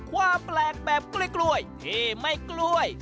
ความแปลกแบบกล้วยที่ไม่กล้วย